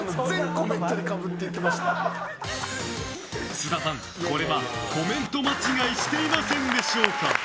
津田さん、これはコメント間違いしていませんでしょうか？